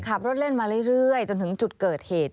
ขับรถเล่นมาเรื่อยจนถึงจุดเกิดเหตุ